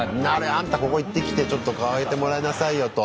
「あんたここ行ってきてちょっと変えてもらいなさいよ」と。